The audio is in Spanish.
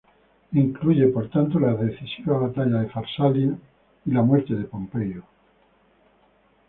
Incluye por tanto la decisiva batalla de Farsalia y la muerte de Pompeyo.